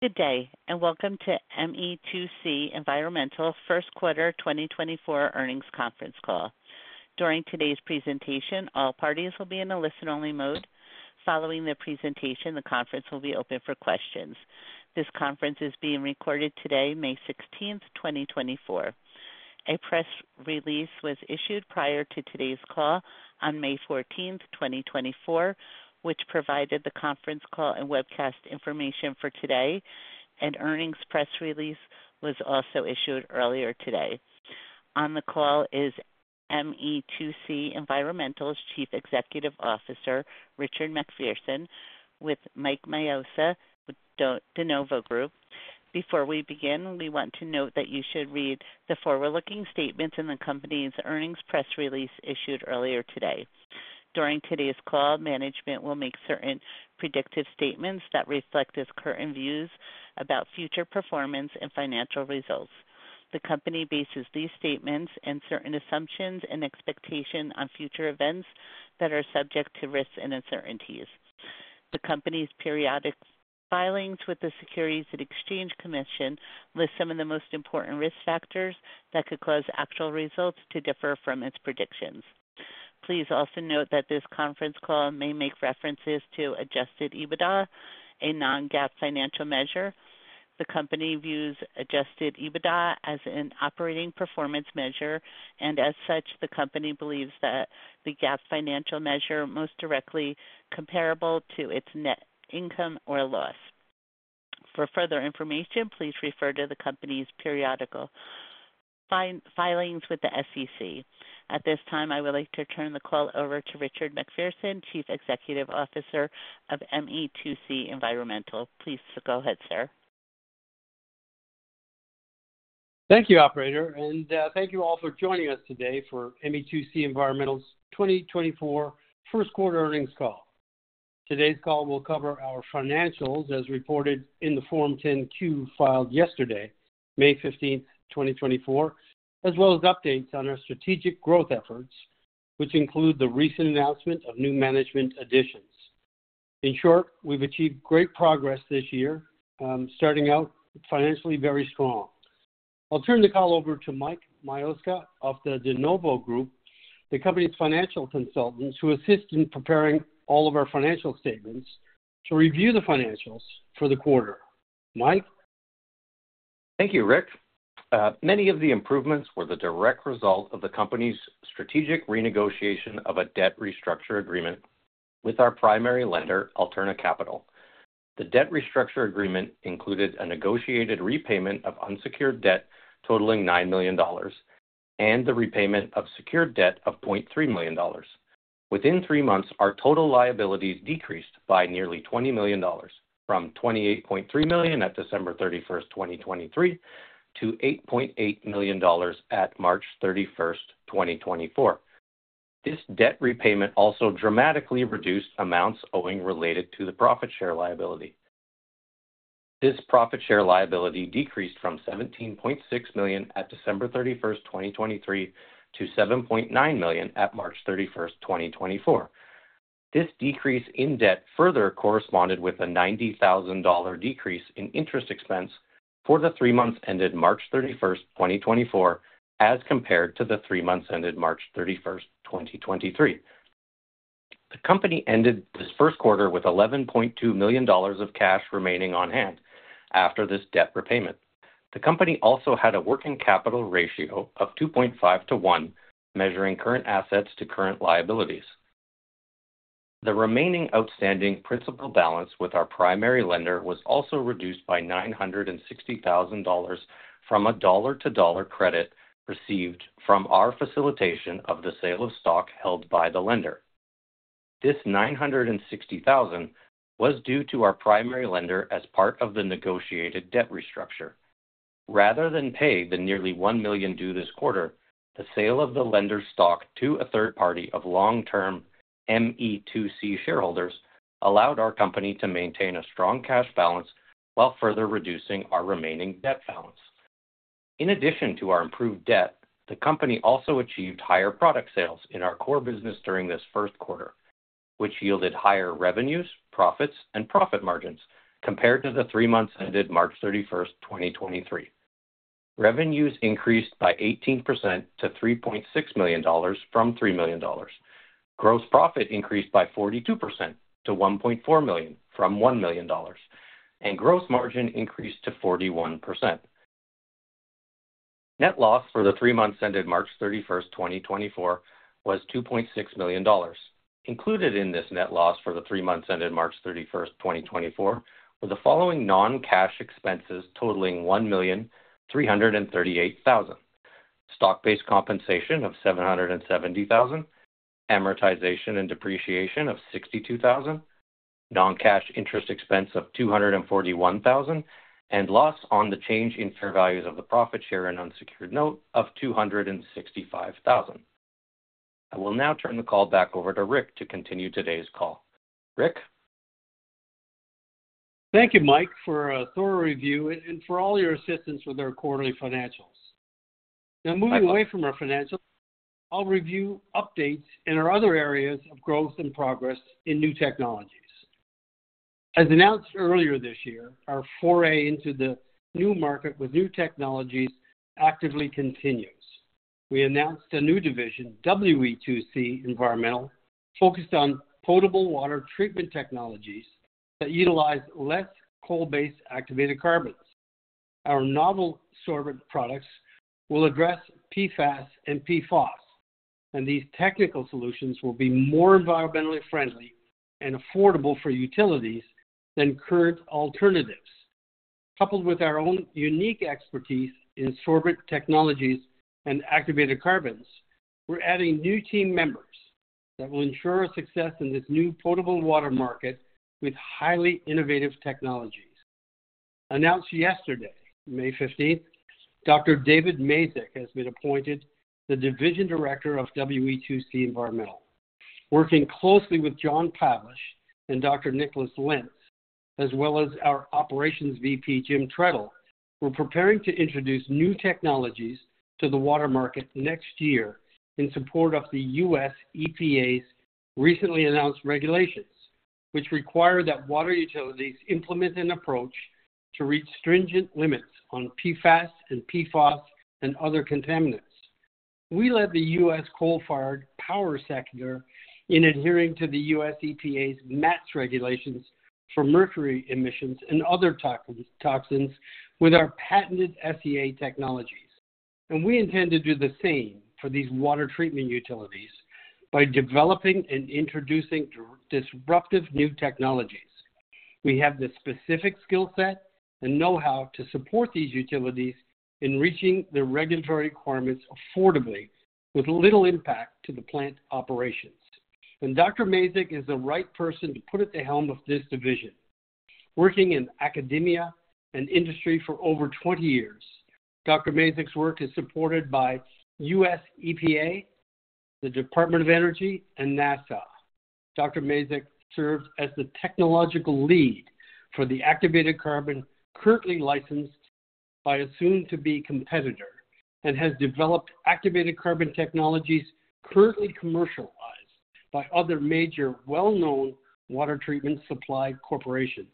Good day, and welcome to ME2C Environmental First Quarter 2024 Earnings Conference Call. During today's presentation, all parties will be in a listen-only mode. Following the presentation, the conference will be open for questions. This conference is being recorded today, May 16, 2024. A press release was issued prior to today's call on May 14, 2024, which provided the conference call and webcast information for today. An earnings press release was also issued earlier today. On the call is ME2C Environmental's Chief Executive Officer, Richard MacPherson, with Mike Mioska, with De Novo Group. Before we begin, we want to note that you should read the forward-looking statements in the company's earnings press release issued earlier today. During today's call, management will make certain predictive statements that reflect its current views about future performance and financial results. The company bases these statements on certain assumptions and expectations on future events that are subject to risks and uncertainties. The company's periodic filings with the Securities and Exchange Commission list some of the most important risk factors that could cause actual results to differ from its predictions. Please also note that this conference call may make references to Adjusted EBITDA, a non-GAAP financial measure. The company views Adjusted EBITDA as an operating performance measure, and as such, the company believes that the GAAP financial measure most directly comparable to its net income or loss. For further information, please refer to the company's periodic filings with the SEC. At this time, I would like to turn the call over to Richard MacPherson, Chief Executive Officer of ME2C Environmental. Please go ahead, sir. Thank you, operator, and thank you all for joining us today for ME2C Environmental's 2024 first quarter earnings call. Today's call will cover our financials as reported in the Form 10-Q filed yesterday, May 15, 2024, as well as updates on our strategic growth efforts, which include the recent announcement of new management additions. In short, we've achieved great progress this year, starting out financially very strong. I'll turn the call over to Mike Mioska of the De Novo Group, the company's financial consultants, who assist in preparing all of our financial statements to review the financials for the quarter. Mike? Thank you, Rick. Many of the improvements were the direct result of the company's strategic renegotiation of a debt restructure agreement with our primary lender, Alterna Capital. The debt restructure agreement included a negotiated repayment of unsecured debt totaling $9 million and the repayment of secured debt of $0.3 million. Within three months, our total liabilities decreased by nearly $20 million, from $28.3 million at December 31st, 2023, to $8.8 million at March 31st, 2024. This debt repayment also dramatically reduced amounts owing related to the profit share liability. This profit share liability decreased from $17.6 million at December 31st, 2023, to $7.9 million at March 31st, 2024. This decrease in debt further corresponded with a $90,000 decrease in interest expense for the three months ended March 31, 2024, as compared to the three months ended March 31, 2023. The company ended this first quarter with $11.2 million of cash remaining on hand after this debt repayment. The company also had a working capital ratio of 2.5 to 1, measuring current assets to current liabilities. The remaining outstanding principal balance with our primary lender was also reduced by $960,000 from a dollar-to-dollar credit received from our facilitation of the sale of stock held by the lender. This 960,000 was due to our primary lender as part of the negotiated debt restructure. Rather than pay the nearly $1 million due this quarter, the sale of the lender's stock to a third party of long-term ME2C shareholders allowed our company to maintain a strong cash balance while further reducing our remaining debt balance. In addition to our improved debt, the company also achieved higher product sales in our core business during this first quarter, which yielded higher revenues, profits, and profit margins compared to the three months ended March 31st, 2023. Revenues increased by 18% to $3.6 million from $3 million. Gross profit increased by 42% to $1.4 million from $1 million, and gross margin increased to 41%. Net loss for the three months ended March 31st, 2024, was $2.6 million. Included in this net loss for the three months ended March 31st, 2024, were the following non-cash expenses totaling $1,338,000: stock-based compensation of $770,000, amortization and depreciation of $62,000, non-cash interest expense of $241,000, and loss on the change in fair values of the profit share and unsecured note of $265,000. I will now turn the call back over to Rick to continue today's call. Rick? Thank you, Mike, for a thorough review and for all your assistance with our quarterly financials. Now, moving away from our financials, I'll review updates in our other areas of growth and progress in new technologies. As announced earlier this year, our foray into the new market with new technologies actively continues. We announced a new division, WE2C Environmental, focused on potable water treatment technologies that utilize less coal-based activated carbons. Our novel sorbent products will address PFAS and PFOS, and these technical solutions will be more environmentally friendly and affordable for utilities than current alternatives. Coupled with our own unique expertise in sorbent technologies and activated carbons, we're adding new team members that will ensure our success in this new potable water market with highly innovative technologies. Announced yesterday, May 15th, Dr. David Mazyck has been appointed the Division Director of WE2C Environmental. Working closely with John Pavlish and Dr. Nicholas Lentz, as well as our Operations VP, James Trettel, we're preparing to introduce new technologies to the water market next year in support of the U.S. EPA's recently announced regulations, which require that water utilities implement an approach to reach stringent limits on PFAS and PFOS, and other contaminants. We led the U.S. coal-fired power sector in adhering to the U.S. EPA's MATS regulations for mercury emissions and other toxins with our patented SEA technologies. We intend to do the same for these water treatment utilities by developing and introducing disruptive new technologies. We have the specific skill set and know-how to support these utilities in reaching their regulatory requirements affordably, with little impact to the plant operations. Dr. Mazyck is the right person to put at the helm of this division. Working in academia and industry for over 20 years, Dr. Mazyck's work is supported by U.S. EPA, the Department of Energy, and NASA. Dr. Mazyck serves as the technological lead for the activated carbon, currently licensed by a soon-to-be competitor, and has developed activated carbon technologies currently commercialized by other major well-known water treatment supply corporations.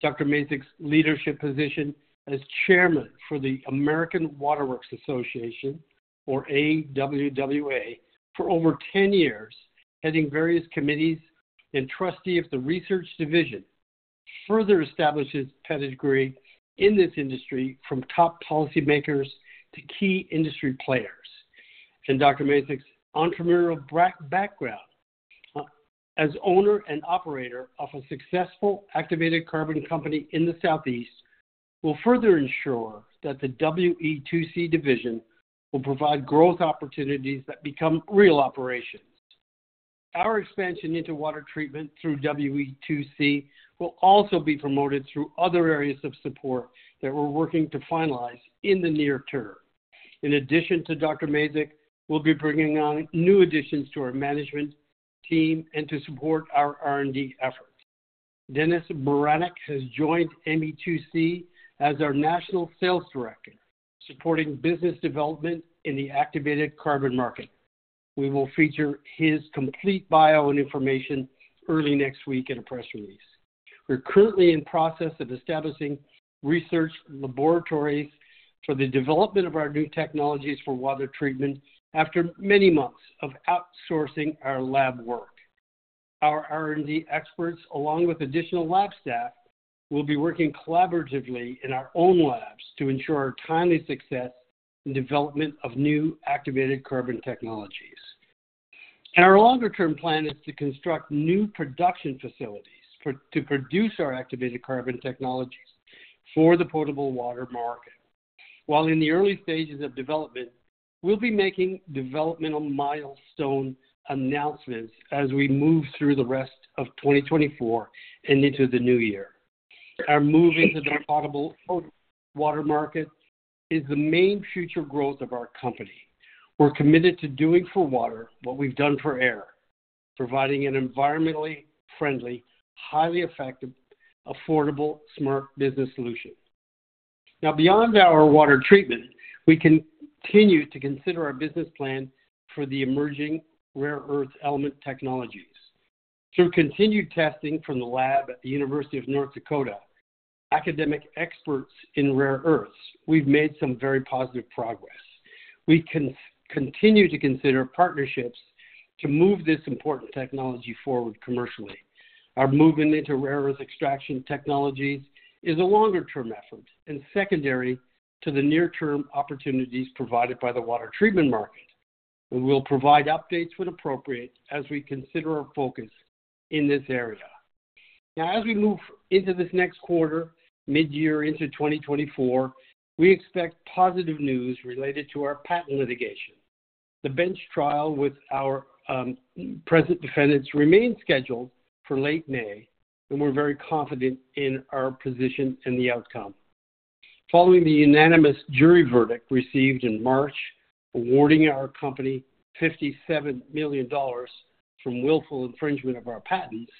Dr. Mazyck's leadership position as chairman for the American Water Works Association, or AWWA, for over 10 years, heading various committees and trustee of the research division, further establishes pedigree in this industry, from top policymakers to key industry players. Dr. Mazyck's entrepreneurial background as owner and operator of a successful activated carbon company in the Southeast will further ensure that the WE2C division will provide growth opportunities that become real operations. Our expansion into water treatment through WE2C will also be promoted through other areas of support that we're working to finalize in the near term. In addition to Dr. Mazyck, we'll be bringing on new additions to our management team and to support our R&D efforts. Dennis Baranik has joined ME2C as our National Sales Director, supporting business development in the activated carbon market. We will feature his complete bio and information early next week in a press release. We're currently in process of establishing research laboratories for the development of our new technologies for water treatment after many months of outsourcing our lab work. Our R&D experts, along with additional lab staff, will be working collaboratively in our own labs to ensure timely success and development of new activated carbon technologies. Our longer-term plan is to construct new production facilities for, to produce our activated carbon technologies for the potable water market. While in the early stages of development, we'll be making developmental milestone announcements as we move through the rest of 2024 and into the new year. Our move into the potable water market is the main future growth of our company. We're committed to doing for water what we've done for air, providing an environmentally friendly, highly effective, affordable, smart business solution. Now, beyond our water treatment, we continue to consider our business plan for the emerging rare earth element technologies. Through continued testing from the lab at the University of North Dakota, academic experts in rare earths, we've made some very positive progress. We continue to consider partnerships to move this important technology forward commercially. Our movement into rare earth extraction technologies is a longer-term effort and secondary to the near-term opportunities provided by the water treatment market. We will provide updates when appropriate as we consider our focus in this area. Now, as we move into this next quarter, mid-year into 2024, we expect positive news related to our patent litigation. The bench trial with our present defendants remains scheduled for late May, and we're very confident in our position and the outcome. Following the unanimous jury verdict received in March, awarding our company $57 million from willful infringement of our patents.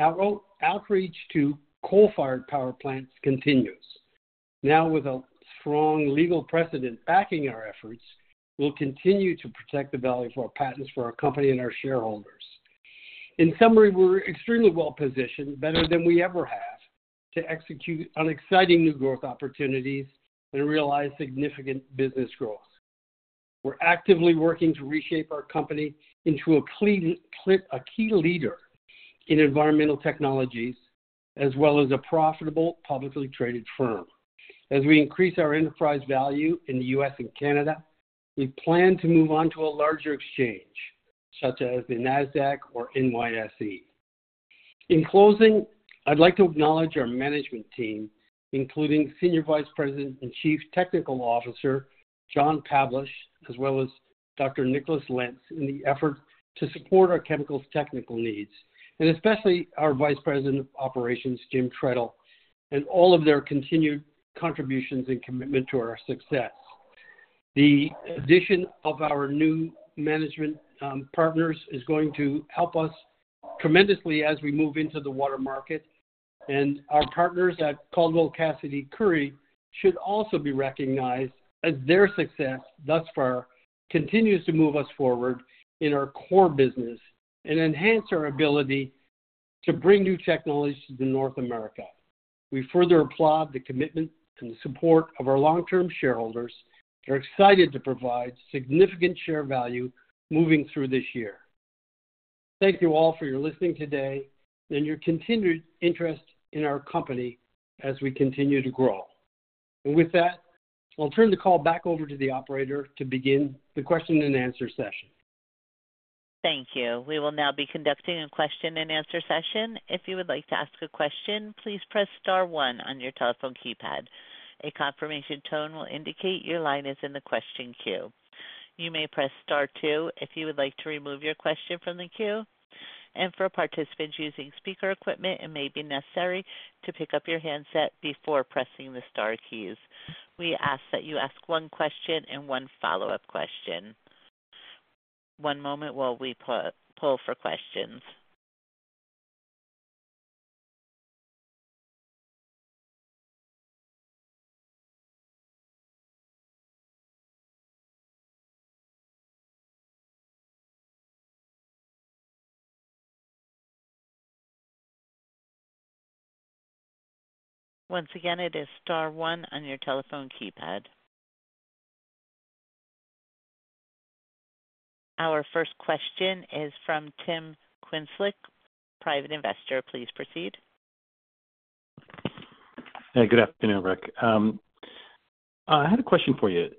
Our outreach to coal-fired power plants continues. Now, with a strong legal precedent backing our efforts, we'll continue to protect the value of our patents for our company and our shareholders. In summary, we're extremely well-positioned, better than we ever have, to execute on exciting new growth opportunities and realize significant business growth. We're actively working to reshape our company into a clean, a key leader in environmental technologies, as well as a profitable, publicly traded firm. As we increase our enterprise value in the US and Canada, we plan to move on to a larger exchange, such as the NASDAQ or NYSE. In closing, I'd like to acknowledge our management team, including Senior Vice President and Chief Technical Officer, John Pavlish, as well as Dr. Nicholas Lentz, in the effort to support our chemicals technical needs, and especially our Vice President of Operations, Jim Trettel, and all of their continued contributions and commitment to our success. The addition of our new management, partners is going to help us tremendously as we move into the water market, and our partners at Caldwell Cassady & Curry should also be recognized as their success thus far continues to move us forward in our core business and enhance our ability to bring new technologies to North America. We further applaud the commitment and support of our long-term shareholders and are excited to provide significant share value moving through this year. Thank you all for your listening today and your continued interest in our company as we continue to grow. With that, I'll turn the call back over to the operator to begin the question and answer session. Thank you. We will now be conducting a question and answer session. If you would like to ask a question, please press star one on your telephone keypad. A confirmation tone will indicate your line is in the question queue. You may press star two if you would like to remove your question from the queue, and for participants using speaker equipment, it may be necessary to pick up your handset before pressing the star keys. We ask that you ask one question and one follow-up question. One moment while we pull for questions. Once again, it is star one on your telephone keypad. Our first question is from Tim Quinlisk, private investor. Please proceed. Hey, good afternoon, Rick. I had a question for you.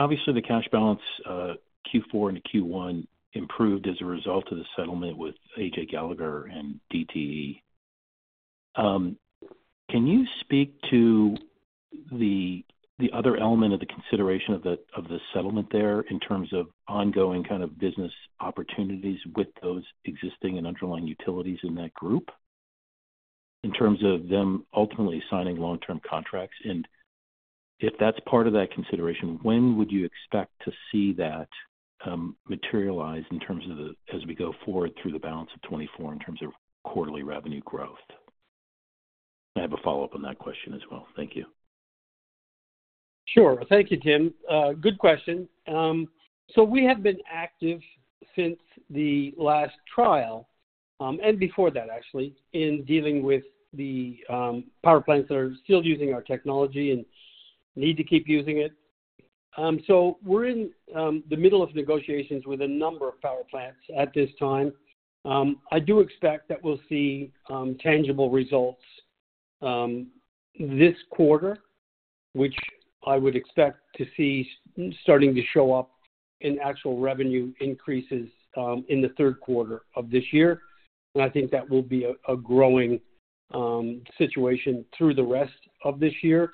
Obviously, the cash balance Q4 into Q1 improved as a result of the settlement with A.J. Gallagher and DTE. Can you speak to the other element of the consideration of the settlement there in terms of ongoing kind of business opportunities with those existing and underlying utilities in that group, in terms of them ultimately signing long-term contracts? And if that's part of that consideration, when would you expect to see that materialize in terms of as we go forward through the balance of 2024 in terms of quarterly revenue growth? I have a follow-up on that question as well. Thank you. Sure. Thank you, Tim. Good question. So we have been active since the last trial, and before that, actually, in dealing with the power plants that are still using our technology and need to keep using it. So we're in the middle of negotiations with a number of power plants at this time. I do expect that we'll see tangible results this quarter, which I would expect to see starting to show up in actual revenue increases in the third quarter of this year. And I think that will be a growing situation through the rest of this year.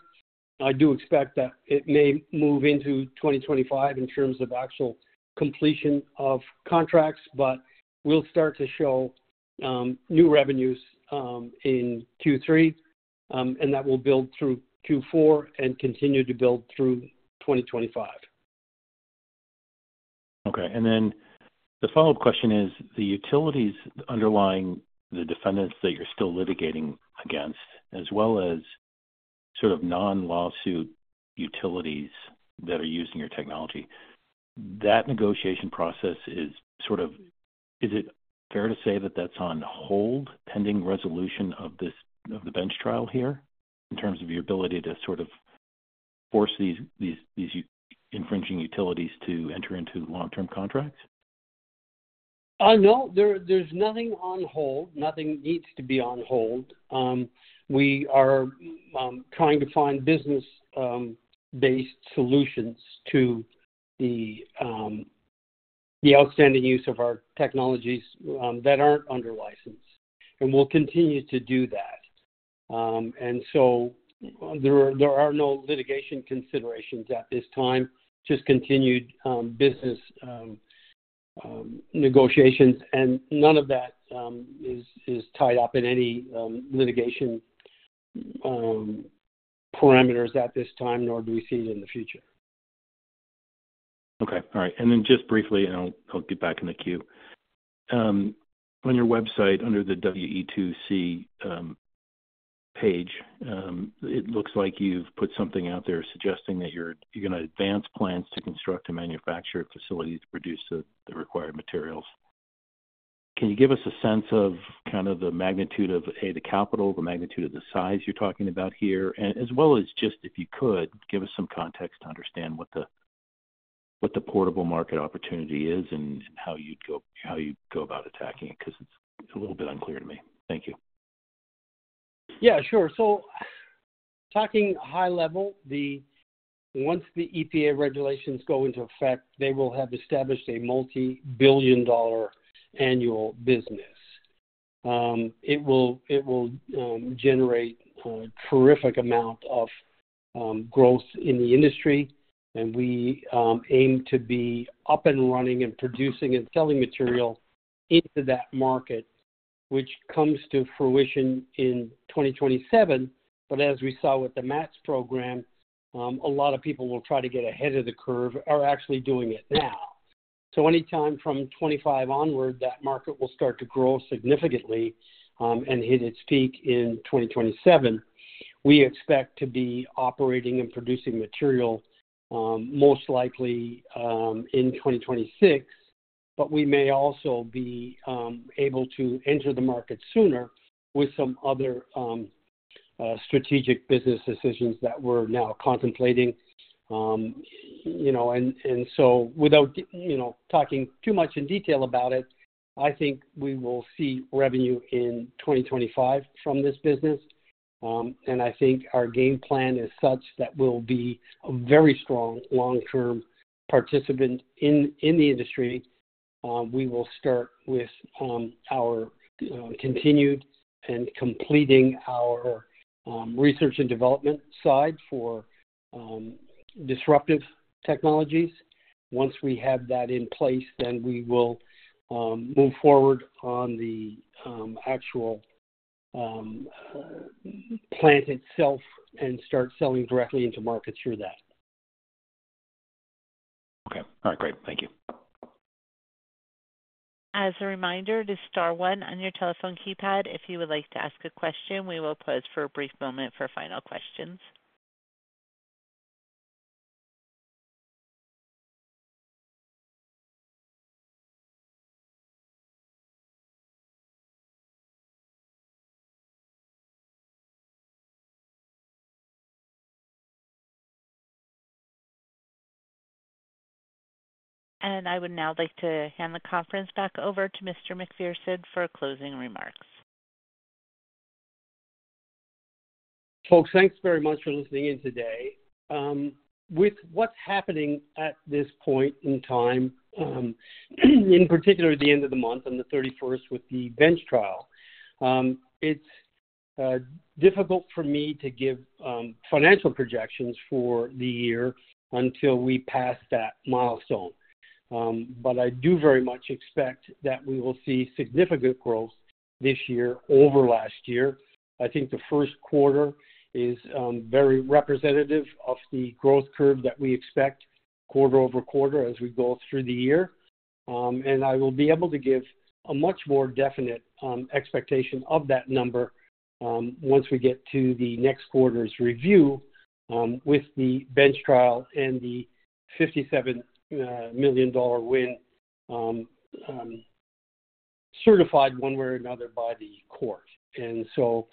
I do expect that it may move into 2025 in terms of actual completion of contracts, but we'll start to show new revenues in Q3, and that will build through Q4 and continue to build through 2025. Okay, and then the follow-up question is, the utilities underlying the defendants that you're still litigating against, as well as sort of non-lawsuit utilities that are using your technology, that negotiation process is sort of, is it fair to say that that's on hold pending resolution of the bench trial here, in terms of your ability to sort of force these infringing utilities to enter into long-term contracts? No, there's nothing on hold. Nothing needs to be on hold. We are trying to find business based solutions to the outstanding use of our technologies that aren't under license, and we'll continue to do that. And so there are no litigation considerations at this time, just continued business negotiations, and none of that is tied up in any litigation parameters at this time, nor do we see it in the future. Okay. All right, and then just briefly, and I'll, I'll get back in the queue. On your website, under the WE2C page, it looks like you've put something out there suggesting that you're, you're gonna advance plans to construct a manufacturer facility to produce the, the required materials. Can you give us a sense of kind of the magnitude of, A, the capital, the magnitude of the size you're talking about here, and as well as just, if you could, give us some context to understand what the, what the potable market opportunity is and, and how you'd go, how you'd go about attacking it, because it's a little bit unclear to me. Thank you. Yeah, sure. So talking high level, once the EPA regulations go into effect, they will have established a multi-billion dollar annual business. It will, it will, generate a terrific amount of growth in the industry, and we aim to be up and running and producing and selling material into that market, which comes to fruition in 2027. But as we saw with the MATS program, a lot of people will try to get ahead of the curve, are actually doing it now. So anytime from 25 onward, that market will start to grow significantly, and hit its peak in 2027. We expect to be operating and producing material most likely in 2026, but we may also be able to enter the market sooner with some other strategic business decisions that we're now contemplating. You know, and so without you know talking too much in detail about it, I think we will see revenue in 2025 from this business. I think our game plan is such that we'll be a very strong long-term participant in the industry. We will start with our continued and completing our research and development side for disruptive technologies. Once we have that in place, then we will move forward on the actual plant itself and start selling directly into market through that. Okay. All right, great. Thank you. As a reminder, to star one on your telephone keypad, if you would like to ask a question. We will pause for a brief moment for final questions. I would now like to hand the conference back over to Mr. MacPherson for closing remarks. Folks, thanks very much for listening in today. With what's happening at this point in time, in particular, the end of the month, on the 31st with the bench trial, it's difficult for me to give financial projections for the year until we pass that milestone. But I do very much expect that we will see significant growth this year over last year. I think the first quarter is very representative of the growth curve that we expect quarter-over-quarter as we go through the year. And I will be able to give a much more definite expectation of that number once we get to the next quarter's review, with the bench trial and the $57 million win certified one way or another by the court. So,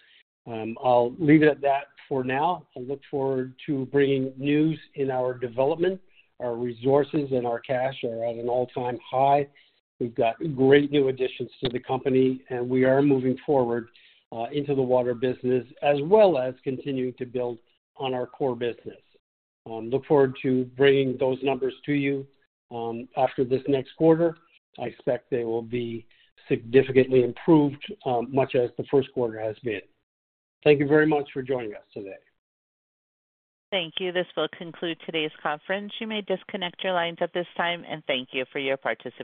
I'll leave it at that for now. I look forward to bringing news in our development. Our resources and our cash are at an all-time high. We've got great new additions to the company, and we are moving forward into the water business, as well as continuing to build on our core business. Look forward to bringing those numbers to you after this next quarter. I expect they will be significantly improved, much as the first quarter has been. Thank you very much for joining us today. Thank you. This will conclude today's conference. You may disconnect your lines at this time and thank you for your participation.